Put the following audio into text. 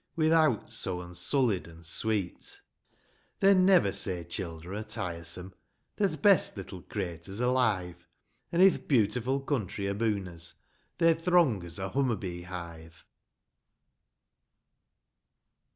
With aught so unsullied an' sweet ! Then never say childer are tiresome ; They're th' best little craiters alive, An' i'th beautiful country aboon us They're throng as a humma bee hive.